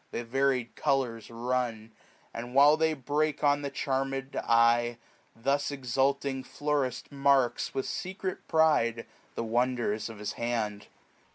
The varied coloias run ; and while they break On the charm'd eye, th' exulting florist marks, 540 With secret pride, the wonders of his hand.